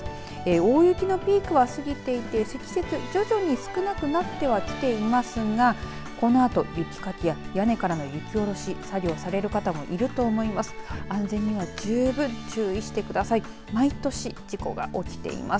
大雪のピークは過ぎていて積雪徐々に少なくなっていますがこのあと雪かきや屋根からの雪下ろし作業される方もいると思います。